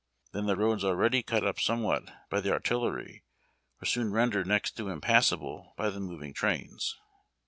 Then, the roads, already cat up somewliat by the artillery, were soon rendered next to impassable by tlie moving trains.